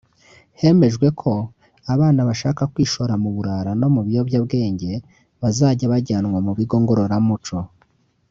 Hemejwe ko abana bashaka kwishora mu burara no mu biyobyabwenge bazajya bajyanwa mu bigo ngororamuco